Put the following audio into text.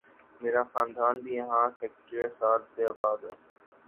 میرا خاندان بھی یہاں سینکڑوں سال سے آباد ہے